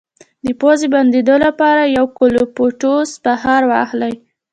د پوزې د بندیدو لپاره د یوکالیپټوس بخار واخلئ